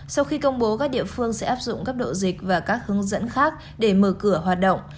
sau khi công bố các địa phương sẽ áp dụng các độ dịch và các hướng dẫn khác để mở cửa hoạt động